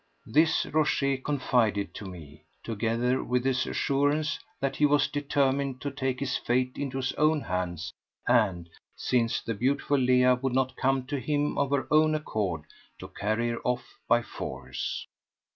This Rochez confided to me, together with his assurance that he was determined to take his Fate into his own hands and, since the beautiful Leah would not come to him of her own accord, to carry her off by force.